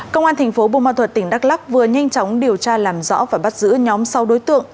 công an thành phố bô ma thuật tỉnh đắk lắk vừa nhanh chóng điều tra làm rõ và bắt giữ nhóm sau đối tượng